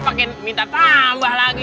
pakai minta tambah lagi